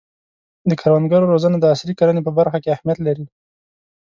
د کروندګرو روزنه د عصري کرنې په برخه کې اهمیت لري.